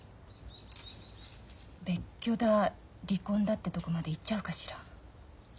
別居だ離婚だってとこまでいっちゃうかしら？